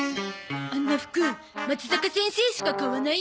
あんな服まつざか先生しか買わないよね？